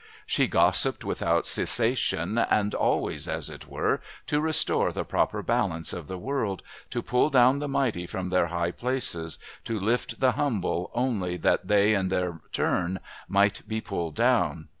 She gossiped without cessation, and always, as it were, to restore the proper balance of the world, to pull down the mighty from their high places, to lift the humble only that they in their turn might be pulled down.